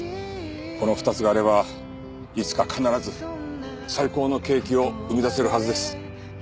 この２つがあればいつか必ず最高のケーキを生み出せるはずです。